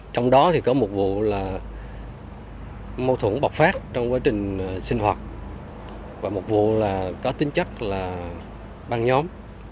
trong đó thì có một vụ là mâu thuẫn bộc phát trong quá trình sinh hoạt và một vụ là có tính chất là băng nhóm